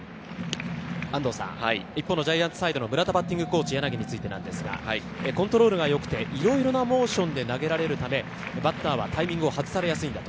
一方、ジャイアンツサイドの村田バッティングコーチですが、コントロールが良くて、いろいろなモーションで投げられるためバッターはタイミングを外されやすいと。